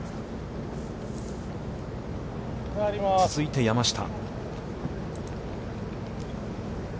続いて山下。